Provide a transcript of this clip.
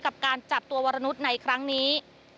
กับการจับตัววรนุษย์ในครั้งนี้